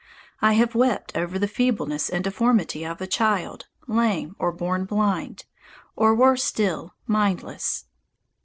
I have wept over the feebleness and deformity of a child, lame, or born blind, or, worse still, mindless.